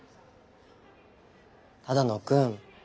只野くん。